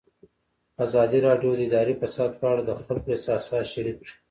ازادي راډیو د اداري فساد په اړه د خلکو احساسات شریک کړي.